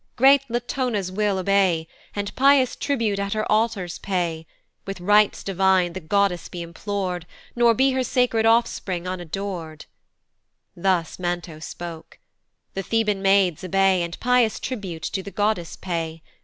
great Latona's will obey, "And pious tribute at her altars pay: "With rights divine, the goddess be implor'd, "Nor be her sacred offspring unador'd." Thus Manto spoke. The Theban maids obey, And pious tribute to the goddess pay.